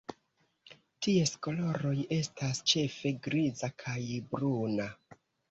Ties koloroj estas ĉefe griza kaj bruna.